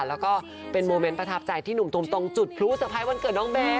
แล้วก็เป็นโมเมนต์ประทับใจที่หนุ่มตรงจุดพลุเซอร์ไพรส์วันเกิดน้องแบ